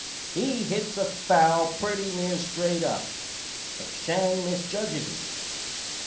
He hits a foul pretty near straight up, but Schang misjudges it.